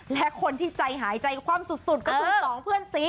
และคนที่ใจหายใจคว่ำสุดก็คือ๒เพื่อนซี